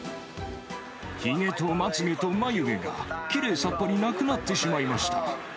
ひげとまつげと眉毛がきれいさっぱりなくなってしまいました。